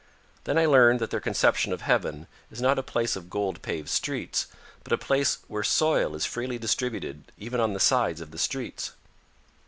Then I learned that their conception of Heaven is not a place of gold paved streets, but a place where soil is freely distributed even on the sides of the streets.